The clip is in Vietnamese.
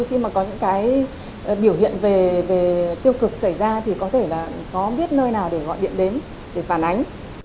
khi mà có những cái biểu hiện về tiêu cực xảy ra thì có thể là có biết nơi nào để gọi điện đến để phản ánh